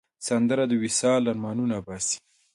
سندره د وصل آرمانونه باسي